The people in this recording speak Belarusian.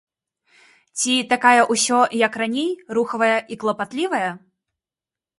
Ці такая ўсё, як раней, рухавая і клапатлівая?